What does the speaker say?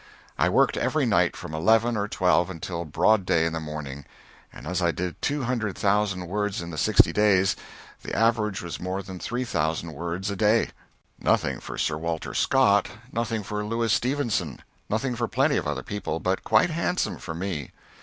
I worked every night from eleven or twelve until broad day in the morning, and as I did two hundred thousand words in the sixty days, the average was more than three thousand words a day nothing for Sir Walter Scott, nothing for Louis Stevenson, nothing for plenty of other people, but quite handsome for me.